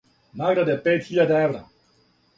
Награда је пет хиљада евра.